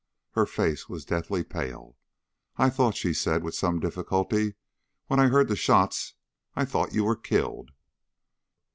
Her face was deathly pale. "I thought," she said with some difficulty, "when I heard the shots I thought you were killed."